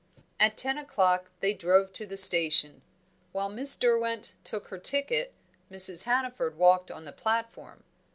At ten o'clock they drove to the station. While Miss Derwent took her ticket Mrs. Hannaford walked on the platform.